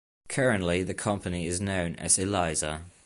Currently the company is known as Elisa.